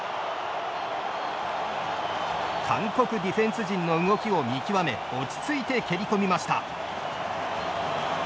韓国ディフェンス陣の動きを見極め落ち着いて蹴り込みました。